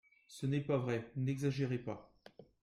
Ce n’est pas vrai, n’exagérez pas